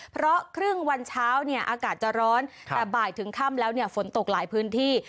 เพราะครึ่งวันเช้าเนี่ยอากาศจะร้อนแต่บ่ายถึงค่ำแล้วเนี่ยฝนตกหลายพื้นที่